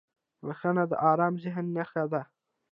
• بخښنه د آرام ذهن نښه ده.